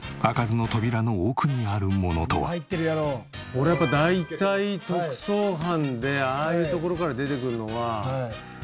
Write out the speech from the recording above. これやっぱ大体特捜班でああいう所から出てくるのは。